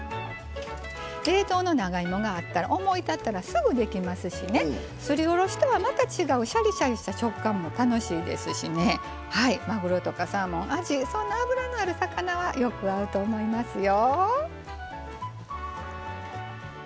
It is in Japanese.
冷凍の長芋があったら思い立ったら、すぐできますしすり下ろしたらまたシャリシャリした食感も楽しいですしねまぐろとかサーモン、あじそんな脂のある魚はよく合うと思いますよ。